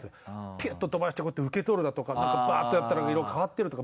ピュッと飛ばして受け取るだとかなんかバーッとやったら色変わってるとか。